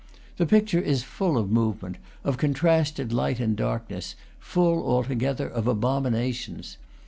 The picture is full of movement, of contrasted light and darkness, full altogether of abomi nations.